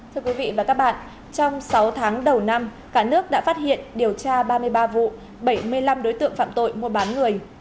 thưa quý vị và các bạn trong sáu tháng đầu năm cả nước đã phát hiện điều tra ba mươi ba vụ bảy mươi năm đối tượng phạm tội mua bán người